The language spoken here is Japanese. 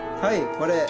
これ。